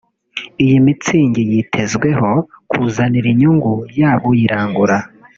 Iyi Mützig yitezweho kuzanira inyungu yaba uyiranguza